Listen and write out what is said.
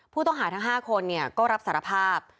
ผู้ต้องหาทั้ง๕คนก็รับสารภาพ